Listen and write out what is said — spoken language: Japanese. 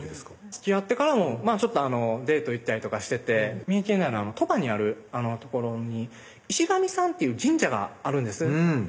つきあってからもデート行ったりとかしてて三重県内の鳥羽にある所に石神さんっていう神社があるんです